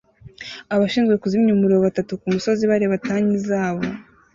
Abashinzwe kuzimya umuriro batatu kumusozi bareba tanki zabo